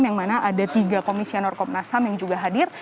yang mana ada tiga komisioner komnas ham yang juga hadir